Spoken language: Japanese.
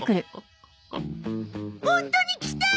ホントに来たー！